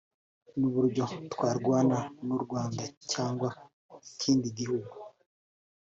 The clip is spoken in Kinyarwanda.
y’uburyo twarwana n’u Rwanda cyangwa ikindi gihugu